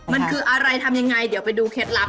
มันคืออะไรทำยังไงเดี๋ยวไปดูเคล็ดลับ